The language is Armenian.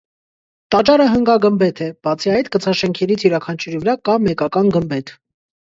Տաճարը հնգագմբեթ է, բացի այդ կցաշենքերից յուրաքանչյուրի վրա կա մեկական գմբեթ։